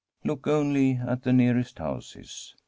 Look only at the nearest houses.